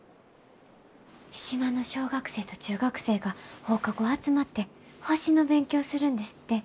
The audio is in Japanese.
島の小学生と中学生が放課後集まって星の勉強するんですって。